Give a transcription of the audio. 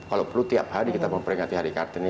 kalau perlu tiap hari kita memperingati hari kartini